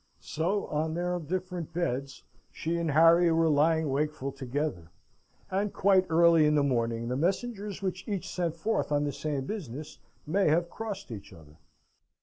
So, on their different beds, she and Harry were lying wakeful together; and quite early in the morning the messengers which each sent forth on the same business may have crossed each other.